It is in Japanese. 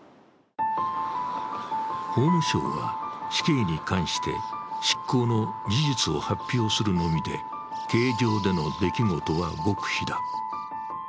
法務省は死刑に関して執行の事実を発表するのみで、刑場での出来事は極秘だ。